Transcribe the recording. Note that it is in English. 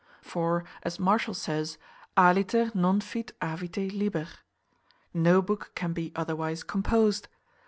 For, as Martial says, Aliter non fit, Avite, liber. No book can be otherwise composed.